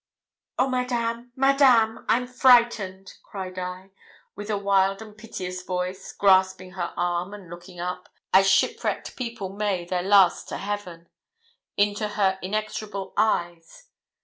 'Oh, Madame! Madame! I'm frightened,' cried I, with a wild and piteous voice, grasping her arm, and looking up, as shipwrecked people may their last to heaven, into her inexorable eyes.